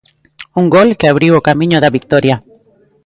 Un gol que abriu o camiño da vitoria.